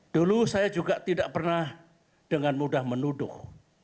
dulu saya juga tidak pernah dengan mudah menuduh